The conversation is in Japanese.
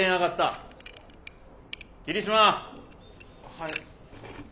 はい。